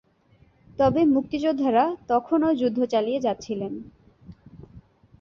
তবে মুক্তিযোদ্ধারা তখনও যুদ্ধ চালিয়ে যাচ্ছিলেন।